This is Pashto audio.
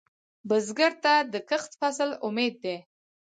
بزګر ته د کښت فصل امید دی